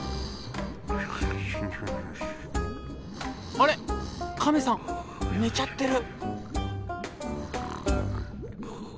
あれ亀さん寝ちゃってる。